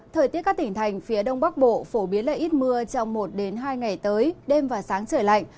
thời tiết các tỉnh thành phía đông bắc bộ phổ biến là ít mưa trong một hai ngày tới đêm và sáng trời lạnh